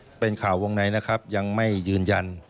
ถ้าเป็นข่าววงในนะครับยังไม่ยืนยัน